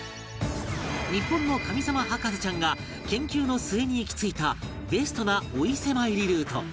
日本の神様博士ちゃんが研究の末に行き着いたベストなお伊勢参りルート